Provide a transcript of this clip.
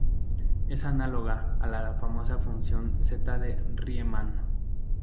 Es análoga a la famosa función zeta de Riemann.